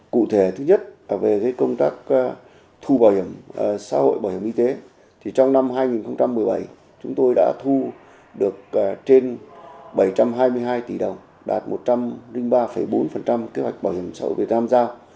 cụ thể thứ nhất về công tác thu bảo hiểm xã hội bảo hiểm y tế thì trong năm hai nghìn một mươi bảy chúng tôi đã thu được trên bảy trăm hai mươi hai tỷ đồng đạt một trăm linh ba bốn kế hoạch bảo hiểm xã hội việt nam giao